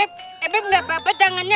eh beb eh beb gapapa tangannya